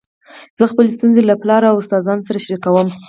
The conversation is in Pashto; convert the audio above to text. زه خپلي ستونزي له پلار او استادانو سره شریکوم.